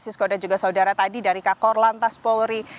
sisko dan juga saudara tadi dari kakor lantas polri